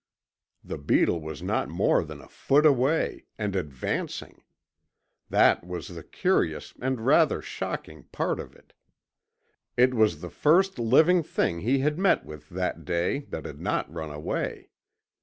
The beetle was not more than a foot away, and ADVANCING! That was the curious and rather shocking part of it. It was the first living thing he had met with that day that had not run away.